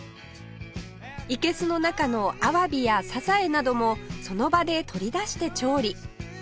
いけすの中のアワビやサザエなどもその場で取り出して調理